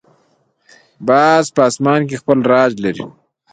باز په آسمان کې خپل راج لري